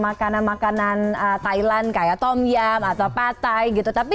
makanan makanan thailand kayak tom yum atau pad thai gitu tapi